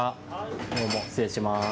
どうも失礼します。